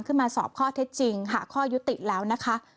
มาสอบข้อเท็จจริงหาข้อยุติแล้วนะคะ